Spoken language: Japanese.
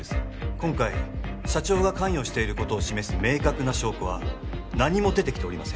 今回社長が関与していることを示す明確な証拠は何も出てきておりません